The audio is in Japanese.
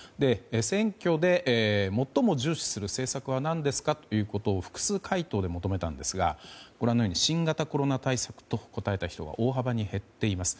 選挙で最も重視する政策は何ですかということを複数回答で求めたんですがご覧のように新型コロナ対策と答えた人が大幅に減っています。